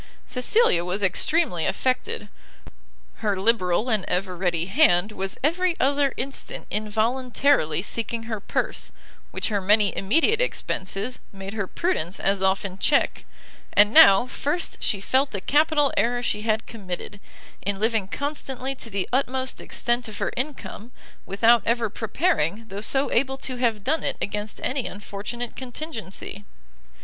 Cecilia was extremely affected; her liberal and ever ready hand was every other instant involuntarily seeking her purse, which her many immediate expences, made her prudence as often check: and now first she felt the capital error she had committed, in living constantly to the utmost extent of her income, without ever preparing, though so able to have done it, against any unfortunate contingency.